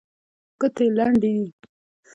ګوتې لنډې دي.